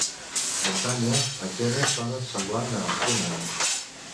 "Muntanya" en khmer sona semblant a "Funan".